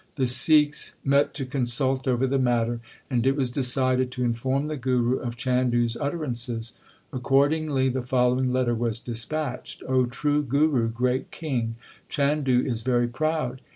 The Sikhs met to consult over the matter, and it was decided to inform the Guru of Chandu s utterances. Ac cordingly the following letter was dispatched, O true Guru, great king, Chandu is very proud.